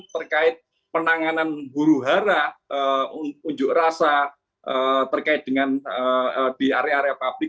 terkait penanganan buruhara unjuk rasa terkait dengan di area area publik